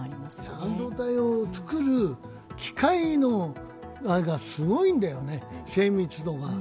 半導体を作る機械がすごいんだよね、精密度が。